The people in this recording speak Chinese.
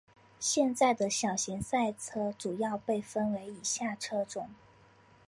现在的小型赛车主要被分为以下车种。